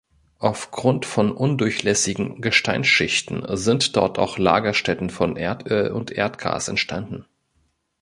Aufgrund von undurchlässigen Gesteinsschichten sind dort auch Lagerstätten von Erdöl und Erdgas entstanden.